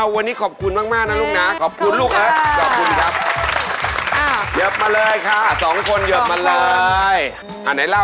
วันนี้ขอบคุณมากนะลูกนะ